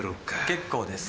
結構です。